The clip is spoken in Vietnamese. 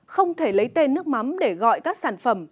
không thể lấy tên nước mắm để gọi các sản phẩm